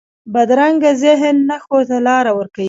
بدرنګه ذهن نه ښو ته لار ورکوي